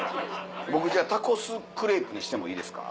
僕じゃあタコスクレープにしてもいいですか。